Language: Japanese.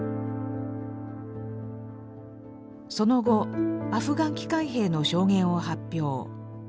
その後「アフガン帰還兵の証言」を発表。